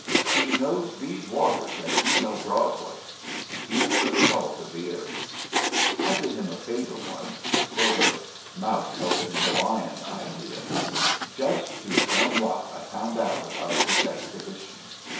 He knows these waters as you know Broadway, and he's the salt of the earth. I did him a favor once; sort of mouse helping the lion idea. Just through dumb luck I found out about this expedition.